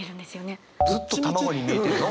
太陽ずっと卵に見えてるの？